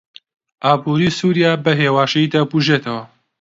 ئابووری سووریا بەهێواشی دەبوژێتەوە.